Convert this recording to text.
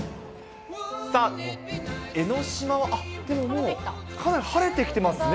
さあ、江の島はあっ、でももう、かなり晴れてきてますね。